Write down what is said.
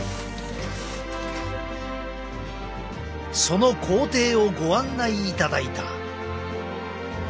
その工程をご案内いただいた。